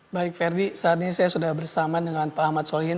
baik ferdi saat ini saya sudah bersama dengan pak ahmad solihin